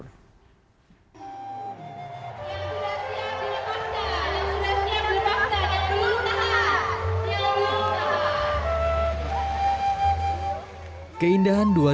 yang sudah siap di nepatkan yang sudah siap di nepatkan yang sudah siap di nepatkan yang sudah siap di nepatkan